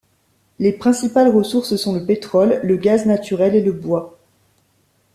Les principales ressources sont le pétrole, le gaz naturel et le bois.